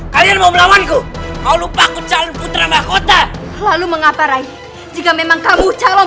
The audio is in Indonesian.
kalian mau melawanku kau lupaku calon putra mahkota lalu mengapa rai jika memang kamu calon